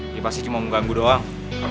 ini pasti cuma mau ganggu doang